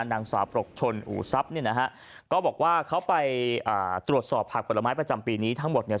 นางสาวปรกชนอู่ทรัพย์เนี่ยนะฮะก็บอกว่าเขาไปอ่าตรวจสอบผักผลไม้ประจำปีนี้ทั้งหมดเนี่ย